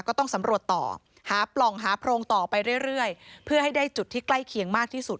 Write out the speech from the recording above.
ก็ต้องสำรวจต่อหาปล่องหาโพรงต่อไปเรื่อยเรื่อยเพื่อให้ได้จุดที่ใกล้เคียง